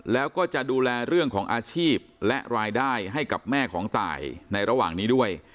แล้วก็จะดูแลเรื่องของอาชีพและรายได้ให้กับแม่ของตายในระหว่างนี้ด้วย